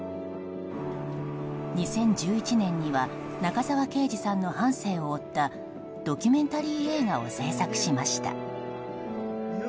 ２０１１年には中沢啓治さんの半生を追ったドキュメンタリー映画を製作しました。